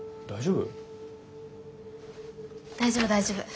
大丈夫大丈夫。